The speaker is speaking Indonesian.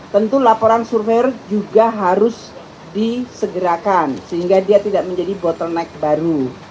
tentu laporan survei juga harus disegerakan sehingga dia tidak menjadi bottleneck baru